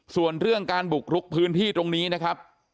ส่วนเรื่องการบุกรุกพื้นที่ตรงนี้นะครับ